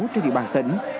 trên địa bàn tỉnh